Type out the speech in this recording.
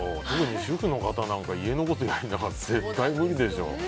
主婦の方なんか家のことやりながら絶対無理でしょ。